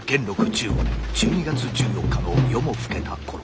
１５年１２月１４日の夜も更けた頃。